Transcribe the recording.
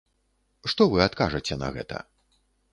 Што вы адкажаце на гэта?